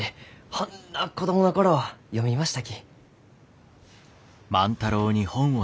ほんの子供の頃読みましたき。